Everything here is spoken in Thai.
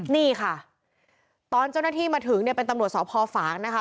นี่ค่ะตอนเจ้าหน้าที่มาถึงเนี่ยเป็นตำรวจสพฝางนะคะ